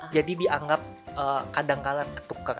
jadi dianggap kadang kadang ketuker